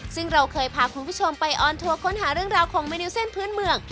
ซึ่งเราเคยพาคุณผู้ชมไปออนทัวร์ค้นหาเรื่องราวของเมนูเส้นพื้นเมือง